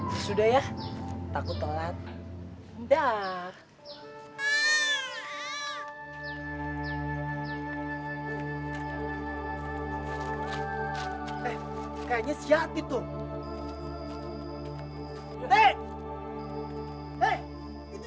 ya udah pokoknya sekarang kita cari dia